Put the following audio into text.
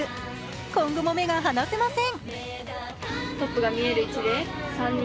今後も目が離せません。